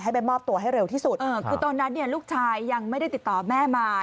ไปมอบตัวให้เร็วที่สุดคือตอนนั้นเนี่ยลูกชายยังไม่ได้ติดต่อแม่มา